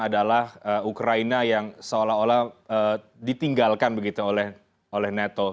adalah ukraina yang seolah olah ditinggalkan begitu oleh nato